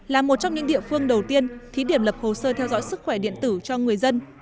là một trong những địa phương đầu tiên thí điểm lập hồ sơ theo dõi sức khỏe điện tử cho người dân